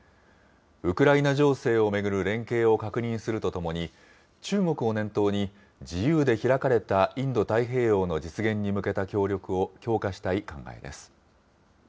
ウクライナ情勢を巡る連携を確認するとともに、中国を念頭に、自由で開かれたインド太平洋の実現に向けた協力を強化したい考えです。